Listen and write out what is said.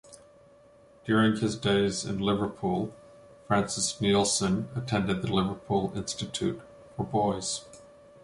During his days in Liverpool, Francis Neilson attended the Liverpool Institute for Boys.